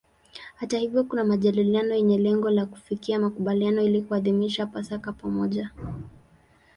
Hata hivyo kuna majadiliano yenye lengo la kufikia makubaliano ili kuadhimisha Pasaka pamoja.